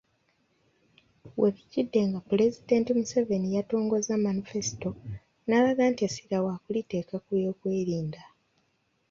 We bijjidde nga Pulezidenti Museveni yatongozza Manifesito n'alaga nti essira waakuliteeka ku by'okwerinda.